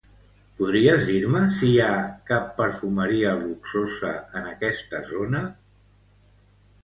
Podries dir-me si hi ha cap perfumeria luxosa en aquesta zona?